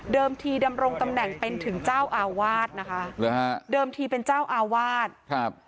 ทีดำรงตำแหน่งเป็นถึงเจ้าอาวาสนะคะหรือฮะเดิมทีเป็นเจ้าอาวาสครับ